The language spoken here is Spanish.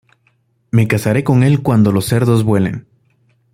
Me casaré con él cuando los cerdos vuelen